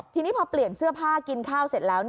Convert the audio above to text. ทีนี้พอเปลี่ยนเสื้อผ้ากินข้าวเสร็จแล้ว